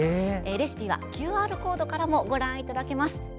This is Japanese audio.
レシピはＱＲコードからもご覧いただけます。